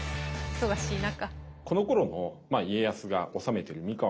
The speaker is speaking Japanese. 忙しい中。